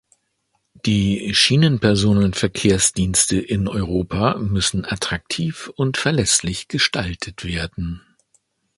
Die Schienenpersonenverkehrsdienste in Europa müssen attraktiv und verlässlich gestaltet werden.